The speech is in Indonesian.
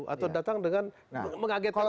atau datang dengan mengagetkan